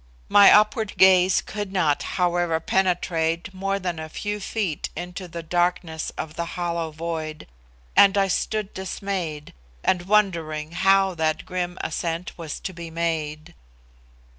My upward gaze could not, however, penetrate more than a few feet into the darkness of the hollow void, and I stood dismayed, and wondering how that grim ascent was to be made.